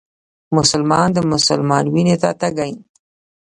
مسلمان د مسلمان وينو ته تږی